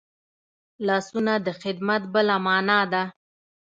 لاسونه د خدمت بله مانا ده